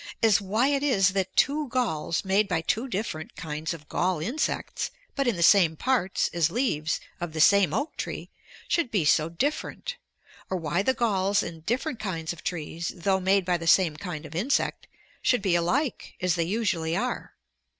As why it is that two galls made by two different kinds of gall insects, but in the same parts, as leaves, of the same oak tree, should be so different, or why the galls in different kinds of trees, though made by the same kind of insect, should be alike, as they usually are.